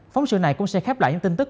phóng sự này cũng sẽ khép lại những tin tức